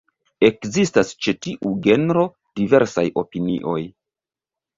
Ekzistas ĉe tiu genro diversaj opinioj.